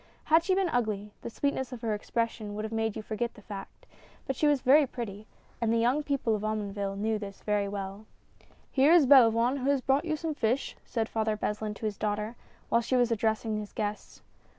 Had she been ugly, the sweetness of her expression would have made you forget the fact — but she was A FISH SUPPER. 31 very pretty and the young people of Omonville knew this very well. " Here is Belavoine, who has brought you some fish," said Father Beslin to his daughter, while she was ad dressing his guests.